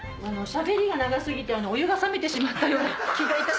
しゃべりが長過ぎてお湯が冷めてしまったような気がいたします。